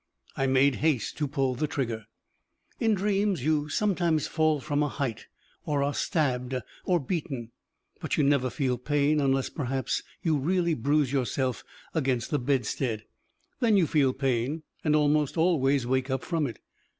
I made haste to pull the trigger. In dreams you sometimes fall from a height, or are stabbed, or beaten, but you never feel pain unless, perhaps, you really bruise yourself against the bedstead, then you feel pain and almost always wake up from it.